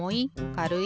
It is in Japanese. かるい？